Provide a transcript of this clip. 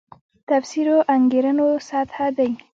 تفسیرو انګېرنو سطح دی.